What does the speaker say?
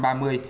ra bảy xã